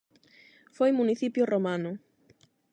Foi municipio romano.